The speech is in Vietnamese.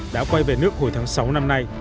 đã quay về nước hồi tháng sáu năm nay